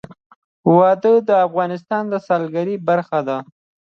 وادي د افغانستان د سیلګرۍ برخه ده.